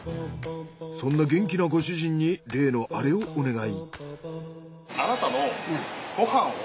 そんな元気なご主人に例のアレをお願い。